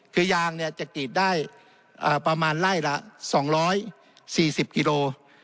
คือยางเนี่ยจะกีดได้อ่าประมาณไร่ละสองร้อยสี่สิบกิโล